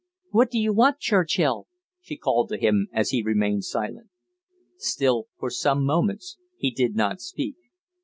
"What do you want, Churchill?" she called to him, as he remained silent. Still for some moments he did not speak.